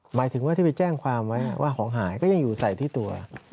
หมายถึงว่าที่ไปแจ้งความไว้ว่าของหายก็ยังอยู่ใส่ที่ตัว